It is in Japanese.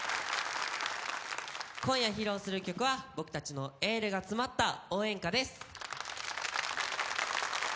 今夜披露する曲は僕たちのエールが詰まった応援歌です